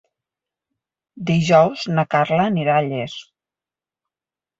Dijous na Carla anirà a Llers.